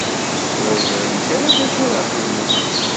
Ur ẓrint ara d acu ara xedment.